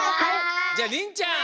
じゃありんちゃん。